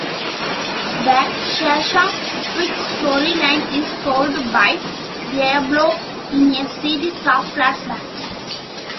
The Shazam Twix storyline is told by Diablo in a series of flashbacks.